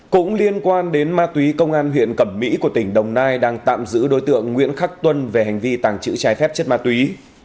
cũng liên quan đến ma túy công an huyện cẩm mỹ của tỉnh đồng nai đang tạm giữ đối tượng nguyễn khắc tuân về hành vi tàng trữ trái phép chất ma túy